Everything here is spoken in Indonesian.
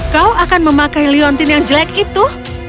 kau akan memakai leontin yang jelek itu